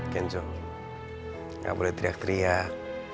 kenzo gak boleh teriak teriak